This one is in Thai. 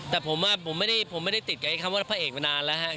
แต่ผมไม่ได้ติดกับคำว่าพระเอกมานานแล้วครับ